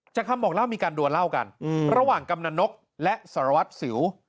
คำบอกเล่ามีการดัวเล่ากันระหว่างกำนันนกและสารวัตรสิว